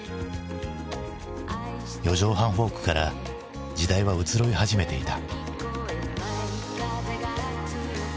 四畳半フォークから時代は移ろい始めていた。